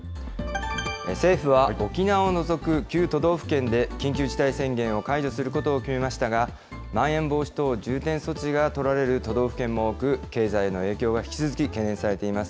政府は沖縄を除く９都道府県で緊急事態宣言を解除することを決めましたが、まん延防止等重点措置が取られる都道府県も多く、経済への影響が引き続き懸念されています。